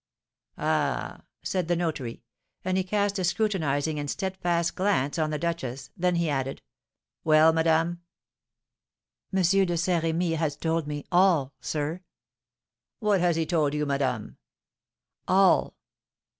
"Ah!" said the notary; and he cast a scrutinising and steadfast glance on the duchess. Then he added, "Well, madame?" "M. de Saint Remy has told me all, sir!" "What has he told you, madame?" "All!"